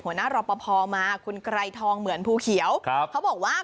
หัวหน้ารปพอมาคุณกรัยทองเหมือนพูเขียวเขาบอกว่า